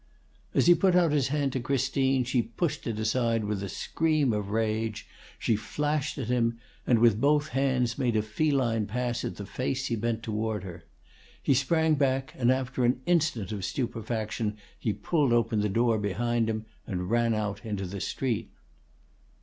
As he put out his hand to Christine, she pushed it aside with a scream of rage; she flashed at him, and with both hands made a feline pass at the face he bent toward her. He sprang back, and after an instant of stupefaction he pulled open the door behind him and ran out into the street.